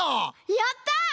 やった！